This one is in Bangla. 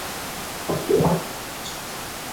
সে আমার জন্য অপেক্ষা করছে!